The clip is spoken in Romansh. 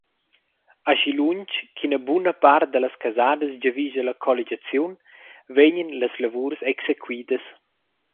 Aschilunsch ch’ina buna part dallas casadas giavischa la colligiaziun, vegnan las lavurs exequidas.